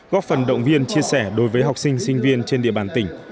góp phần động viên chia sẻ đối với học sinh sinh viên trên địa bàn tỉnh